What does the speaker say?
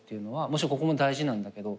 もちろんここも大事なんだけど。